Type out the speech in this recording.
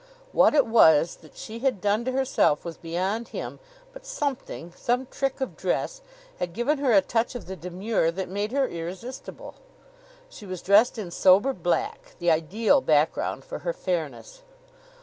What it was that she had done to herself was beyond him; but something, some trick of dress, had given her a touch of the demure that made her irresistible. She was dressed in sober black, the ideal background for her fairness.